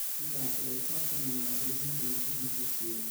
Si tratta del quarto nome maggiormente diffuso in Turchia.